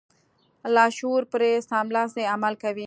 لاشعور پرې سملاسي عمل کوي.